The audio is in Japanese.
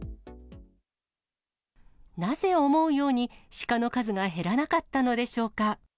なぜ思うようにシカの数が減らなかったのでしょうか。